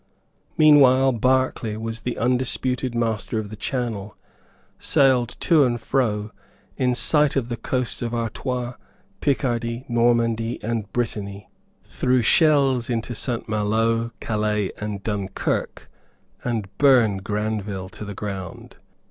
Meanwhile Berkeley was the undisputed master of the Channel, sailed to and fro in sight of the coasts of Artois, Picardy, Normandy and Brittany, threw shells into Saint Maloes, Calais and Dunkirk, and burned Granville to the ground.